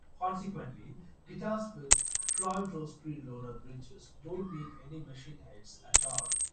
Consequently, guitars with Floyd Rose SpeedLoader bridges don't need any machine heads at all.